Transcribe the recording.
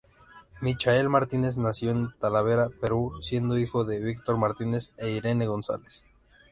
Michael Martínez nació en Talavera, Perú, siendo hijo de Víctor Martínez e Irene Gonzales.